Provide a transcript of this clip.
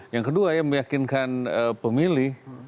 yang kedua meyakinkan pemilih